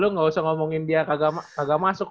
eh kan lu gak usah ngomongin dia kagak masuk